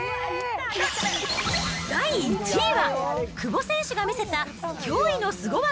第１位は、久保選手が見せた驚異のスゴ技！